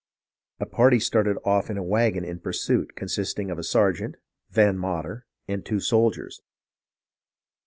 A party started off in a wagon in pursuit, consisting of a sergeant, Van Mater, and two soldiers.